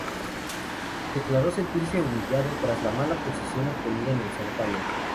Declaró sentirse "humillado" tras la mala posición obtenida en el certamen.